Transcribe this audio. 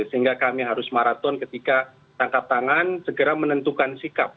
sehingga kami harus maraton ketika tangkap tangan segera menentukan sikap